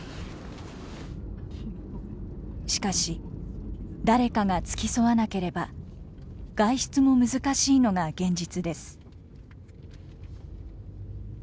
しかし誰かが付き添わなければ外出も難しいのが現実です。